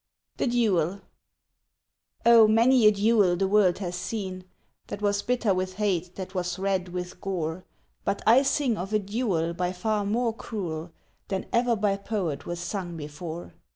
=The Duel= Oh many a duel the world has seen That was bitter with hate, that was red with gore, But I sing of a duel by far more cruel Than ever by poet was sung before.